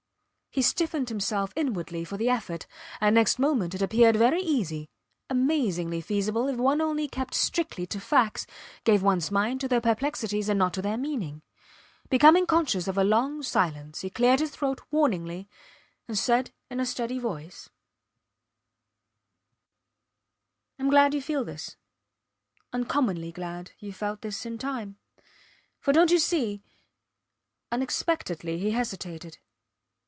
He stiffened himself inwardly for the effort, and next moment it appeared very easy, amazingly feasible, if one only kept strictly to facts, gave ones mind to their perplexities and not to their meaning. Becoming conscious of a long silence, he cleared his throat warningly, and said in a steady voice I am glad you feel this ... uncommonly glad ... you felt this in time. For, dont you see ... Unexpectedly he hesitated.